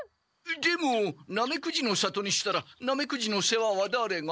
でもナメクジの里にしたらナメクジの世話はだれが？